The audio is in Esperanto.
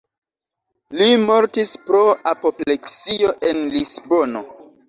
Li mortis pro apopleksio en Lisbono.